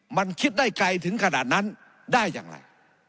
มันคิดได้ไกลถึงขนาดนั้นได้อย่างไร